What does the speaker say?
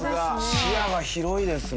視野が広いですね。